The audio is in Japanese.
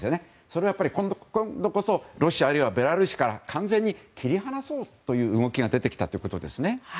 それを今度こそロシアあるいはベラルーシから完全に切り離そうという動きが出てきたということですね。